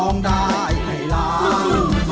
ร้องได้ไข่ล้าง